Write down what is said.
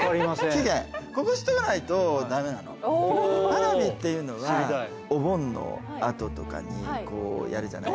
花火っていうのはお盆のあととかにこうやるじゃない。